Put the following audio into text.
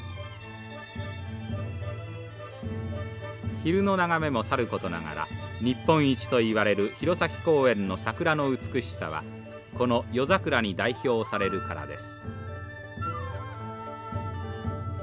昼の眺めもさることながら日本一といわれる弘前公園の桜の美しさはこの夜桜に代表されるからです。